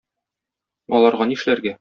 Аларга нишләргә?